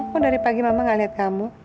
kok dari pagi mama nggak lihat kamu